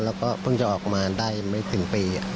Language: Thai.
แล้วก็เพิ่งจะออกมาได้ไม่ถึงปี